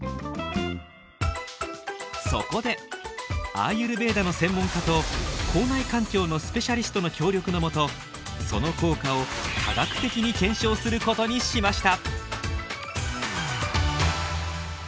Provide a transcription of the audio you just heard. そこでアーユルヴェーダの専門家と口内環境のスペシャリストの協力の下その効果を科学的に検証することにしました。